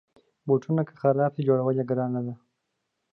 بوټونه که خراب شي، جوړول یې ګرانه وي.